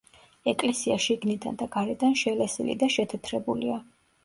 ეკლესია შიგნიდან და გარედან შელესილი და შეთეთრებულია.